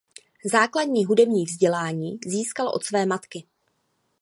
Základní hudební vzdělání získal od své matky.